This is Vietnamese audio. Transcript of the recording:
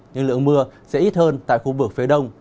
nhưng lượng mưa sẽ ít hơn tại khu vực phía đông